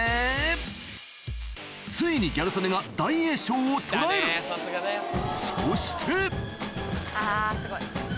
ついにギャル曽根が大栄翔を捉えるそしてあぁすごい。